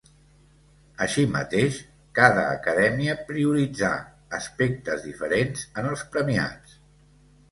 Així mateix, cada acadèmia prioritzà aspectes diferents en els premiats.